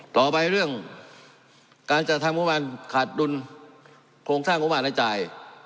ต่อไปเรื่องการจัดทำงบประมาณขาดดุลโครงสร้างงบประมาณรายจ่าย